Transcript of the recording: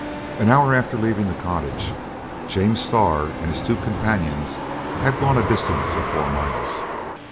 An hour after leaving the cottage, James Starr and his two companions had gone a distance of four miles.